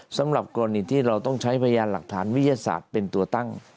สำหรับกรณีที่เราต้องใช้พยานหลักฐานวิทยาศาสตร์เป็นตัวตั้ง